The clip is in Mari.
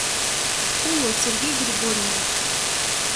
— Уло, Сергей Григорьевич.